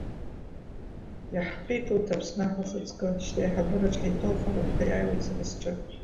Иаҳфеит урҭ, аԥснаҳ ухаҵкы, шьҭа аиҳабыраҿы ҳаиҭауҳәароуп, ҳәа иааиуеит сара сҿы.